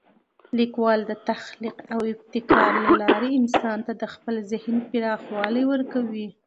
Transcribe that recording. لیکوالی د تخلیق او ابتکار له لارې انسان ته د خپل ذهن پراخوالی ورکوي.